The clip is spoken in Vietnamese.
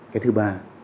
cái thứ ba